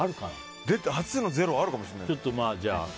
初の０あるかもしれない。